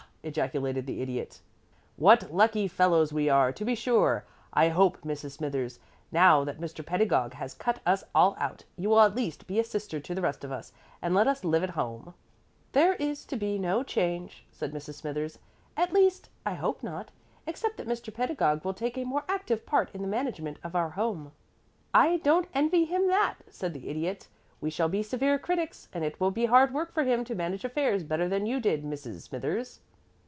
ejaculated the Idiot. "What lucky fellows we are, to be sure! I hope, Mrs. Smithers, now that Mr. Pedagog has cut us all out, you will at least be a sister to the rest of us, and let us live at home." [Illustration: "'HOORAH!' CRIED THE IDIOT, GRASPING MR. PEDAGOG BY THE HAND"] "There is to be no change," said Mrs. Smithers "at least, I hope not, except that Mr. Pedagog will take a more active part in the management of our home." "I don't envy him that," said the Idiot. "We shall be severe critics, and it will be hard work for him to manage affairs better than you did, Mrs. Smithers."